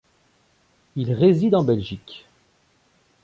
Il réside en Belgique.